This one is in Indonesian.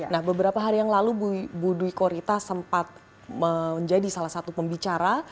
nah beberapa hari yang lalu bu dwi korita sempat menjadi salah satu pembicara